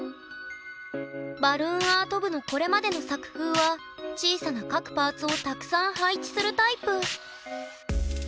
バルーンアート部のこれまでの作風は小さな各パーツをたくさん配置するタイプ。